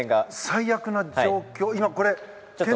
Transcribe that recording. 最悪な状況。